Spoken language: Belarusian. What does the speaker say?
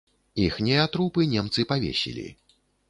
Іхнія трупы немцы павесілі.